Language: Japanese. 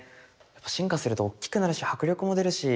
進化するとおっきくなるし迫力も出るし。